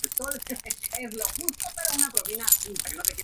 En este último dio origen a la carrera de Licenciado en Optometría.